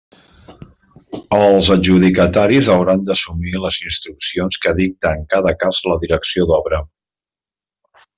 Els adjudicataris hauran d'assumir les instruccions que dicte en cada cas la Direcció d'obra.